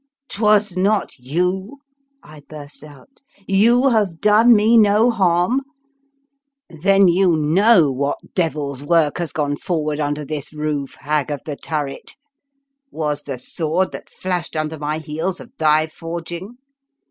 " 'Twas not you? " I burst out. " You have done me no harm? Then you know what devil's work has gone forward under this roof, Hag of the Turret? Was the sword that flashed under my heels of thy forging?